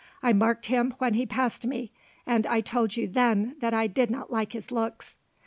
I marked him when he passed me, and I told you then that I did not like his looks."